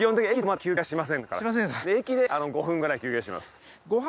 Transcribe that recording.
駅で５分くらい休憩します。